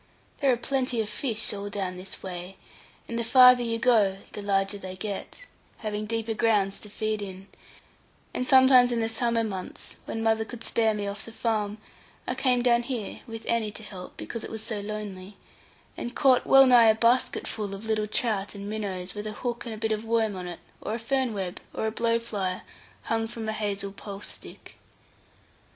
There are plenty of fish all down this way, and the farther you go the larger they get, having deeper grounds to feed in; and sometimes in the summer months, when mother could spare me off the farm, I came down here, with Annie to help (because it was so lonely), and caught well nigh a basketful of little trout and minnows, with a hook and a bit of worm on it, or a fern web, or a blow fly, hung from a hazel pulse stick.